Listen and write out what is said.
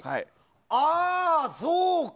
ああ、そうか！